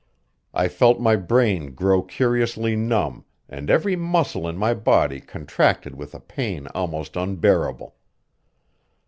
I felt my brain grow curiously numb and every muscle in my body contracted with a pain almost unbearable.